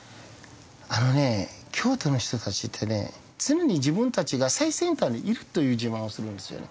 あのね京都の人達ってね常に自分達が最先端にいるという自慢をするんですよね